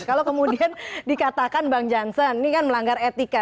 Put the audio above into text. kalau kemudian dikatakan bang jansen ini kan melanggar etika